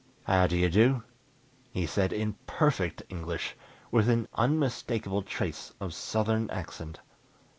"How do you do?" he said in perfect English, with an unmistakable trace of Southern accent.